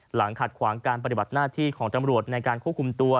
หลังขัดขวางการปฏิบัติหน้าที่ของตำรวจในการควบคุมตัว